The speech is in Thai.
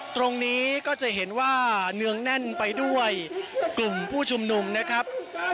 ตรงนี้ก็จะเห็นว่าเนืองแน่นไปด้วยกลุ่มผู้ชุมนุมนะครับ